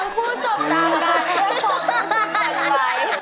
ทั้งผู้ศพต่างกันและคนศพต่างไป